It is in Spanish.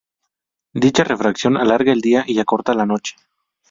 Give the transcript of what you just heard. Dicha refracción alarga el día y acorta la noche.